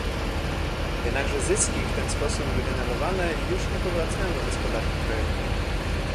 Jednakże zyski w ten sposób wygenerowane już nie powracają do gospodarki krajowej